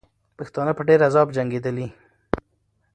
پښتانه په ډېر عذاب جنګېدلې.